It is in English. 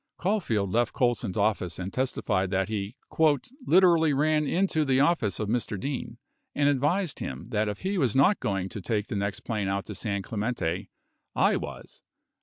29 Caulfield left Colson's office and testified that he "literally ran into the office of Mr. Dean and advised him that if he was not going to take the next plane out to San Clemente, I was."